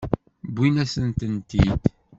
Wwint-asent-tent-id.